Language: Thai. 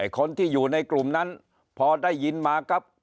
คนที่อยู่ในกลุ่มนั้นพอได้ยินมาครับ